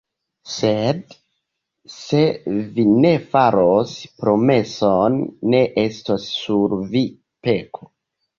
Sed se vi ne faros promeson, ne estos sur vi peko.